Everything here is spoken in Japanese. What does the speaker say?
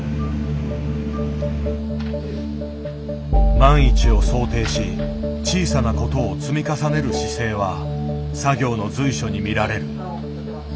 万一を想定し小さなことを積み重ねる姿勢は作業の随所に見られる。